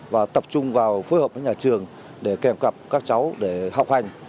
và tập trung vào phối hợp với nhà trường để kèm cặp các cháu để học hành